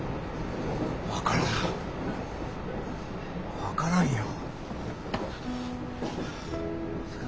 分からん分からんよ。